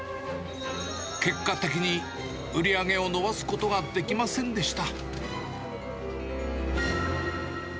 結果的に、売り上げを伸ばすことができませんでした。